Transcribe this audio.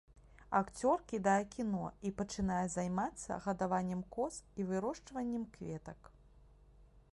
Акцёр кідае кіно і пачынае займацца гадаваннем коз і вырошчваннем кветак.